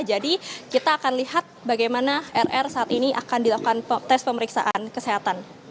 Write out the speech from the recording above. jadi kita akan lihat bagaimana rr saat ini akan dilakukan tes pemeriksaan kesehatan